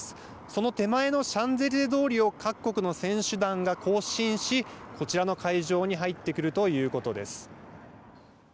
その手前のシャンゼリゼ通りを各国の選手団が行進しこちらの会場に入ってくるということです。